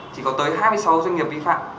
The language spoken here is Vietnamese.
chỉ có tới hai mươi sáu doanh nghiệp vi phạm